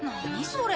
それ。